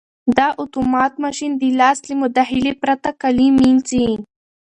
دا اتومات ماشین د لاس له مداخلې پرته کالي مینځي.